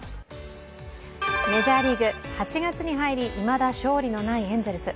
メジャーリーグ、８月に入りいまだ勝利のないエンゼルス。